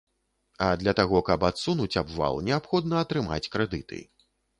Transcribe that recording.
А для таго, каб адсунуць абвал, неабходна атрымаць крэдыты.